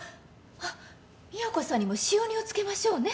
あっ美保子さんにも使用人をつけましょうね。